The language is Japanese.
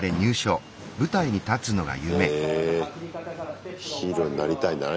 へえヒーローになりたいんだな